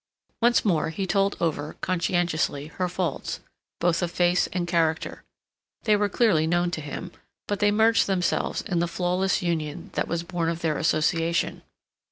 Once more he told over conscientiously her faults, both of face and character; they were clearly known to him; but they merged themselves in the flawless union that was born of their association.